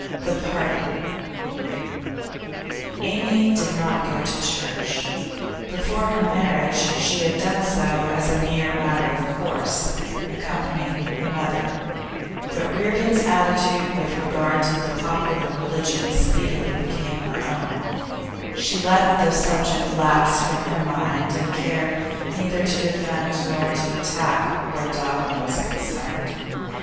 THE PARTING Amy did not go to church. Before her marriage she had done so as a mere matter of course, accompanying her mother, but Reardon's attitude with regard to the popular religion speedily became her own; she let the subject lapse from her mind, and cared neither to defend nor to attack where dogma was concerned.